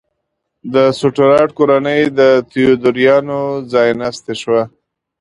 د سټورات کورنۍ د تیودوریانو ځایناستې شوه.